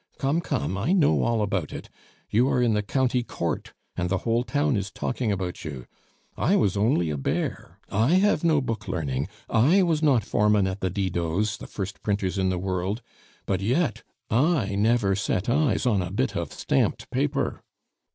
Come, come, I know all about it, you are in the county court, and the whole town is talking about you. I was only a 'bear,' I have no book learning, I was not foreman at the Didots', the first printers in the world; but yet I never set eyes on a bit of stamped paper.